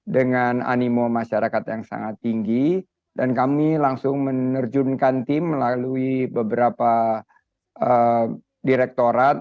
dengan animo masyarakat yang sangat tinggi dan kami langsung menerjunkan tim melalui beberapa direktorat